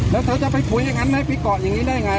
แล้วเธอจะไปคุยอย่างงั้นไหมพี่กอดอย่างงี้ได้ยังไงอ่ะ